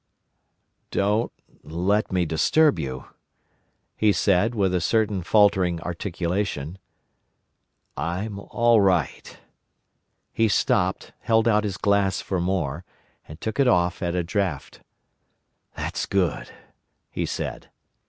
"Don't let me disturb you," he said, with a certain faltering articulation. "I'm all right." He stopped, held out his glass for more, and took it off at a draught. "That's good," he said.